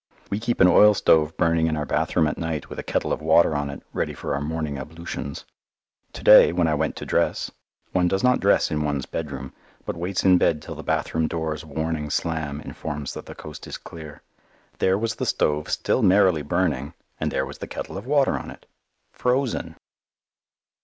We keep an oil stove burning in our bathroom at night with a kettle of water on it ready for our morning ablutions. To day, when I went in to dress one does not dress in one's bedroom, but waits in bed till the bathroom door's warning slam informs that the coast is clear there was the stove still merrily burning, and there was the kettle of water on it FROZEN.